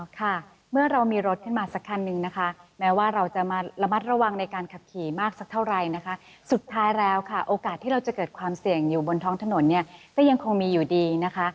ค่ะเมื่อเรามีรถขึ้นมาสักคันนึงนะคะแม้ว่าเราจะมาระมัดระวังในการขับขี่มากสักเท่าไหร่นะคะสุดท้ายแล้วค่ะโอกาสที่เราจะเกิดความเสี่ยงอยู่บนท้องถนนเนี่ยก็ยังคงมีอยู่ดีนะคะ